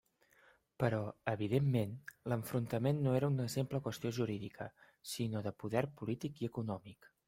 Però, evidentment, l'enfrontament no era una simple qüestió jurídica, sinó de poder polític i econòmic.